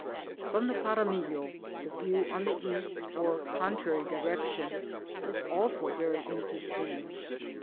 From the Paramillo, the view on the east, or contrary direction, is also very interesting.